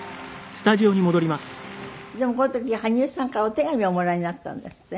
でもこの時羽生さんからお手紙をおもらいになったんですって？